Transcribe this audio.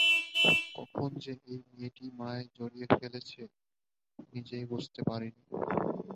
কখন যে এই মেয়েটি মায়ায় জড়িয়ে ফেলেছে, নিজেই বুঝতে পারেন নি।